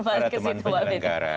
para teman penyelenggara